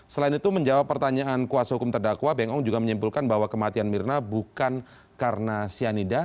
selain itu menjawab pertanyaan kuasa hukum terdakwa beng ong juga menyimpulkan bahwa kematian mirna bukan karena cyanida